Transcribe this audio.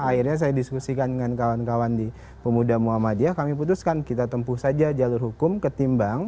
akhirnya saya diskusikan dengan kawan kawan di pemuda muhammad diyah kami putuskan kita tempuh saja jalur hukum ke timbang